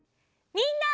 みんな！